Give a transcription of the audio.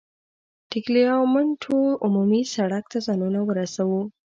د ټګلیامنتو عمومي سړک ته ځانونه ورسوو.